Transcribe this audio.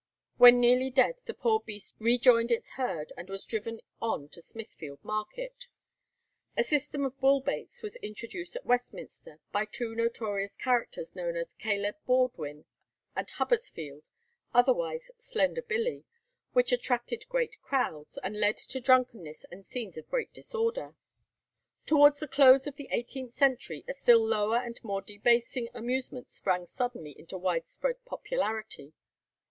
When nearly dead the poor beast rejoined its herd, and was driven on to Smithfield market. A system of bull baits was introduced at Westminster by two notorious characters known as Caleb Baldwin and Hubbersfield, otherwise Slender Billy, which attracted great crowds, and led to drunkenness and scenes of great disorder. Towards the close of the eighteenth century a still lower and more debasing amusement sprang suddenly into widespread popularity.